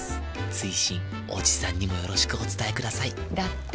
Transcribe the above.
追伸おじさんにもよろしくお伝えくださいだって。